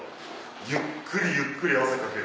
ゆっくりゆっくり汗かける。